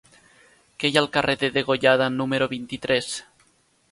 Què hi ha al carrer de Degollada número vint-i-tres?